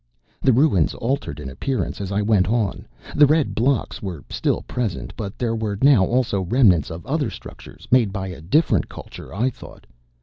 The ruins altered in appearance as I went on. The red blocks were still present, but there were now also remnants of other structures, made by a different culture, I thought.